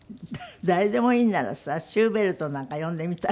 誰でもいいんならさシューベルトなんか呼んでみたいと。